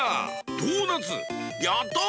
ドーナツやった！